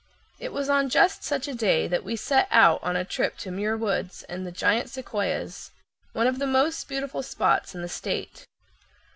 It was on just such a day that we set out on a trip to Muir Woods and the giant sequoias, one of the most beautiful spots in the State.